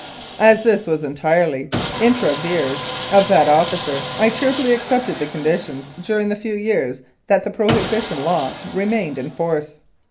As this was entirely intra vires of that officer, I cheerfully accepted the conditions during the few years that the prohibition law remained in force.